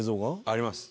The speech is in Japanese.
あります。